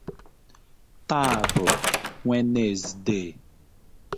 taa bụ Nwenezdee